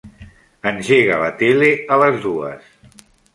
Engega la tele a les dues.